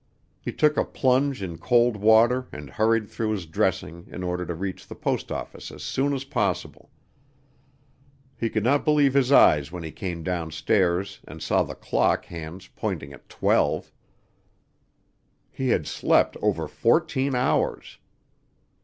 He took a plunge in cold water and hurried through his dressing in order to reach the post office as soon as possible. He could not believe his eyes when he came downstairs and saw the clock hands pointing at twelve. He had slept over fourteen hours.